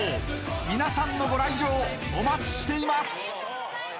［皆さんのご来場お待ちしています］